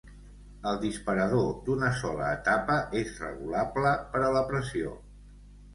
El disparador d'una sola etapa és regulable per a la pressió.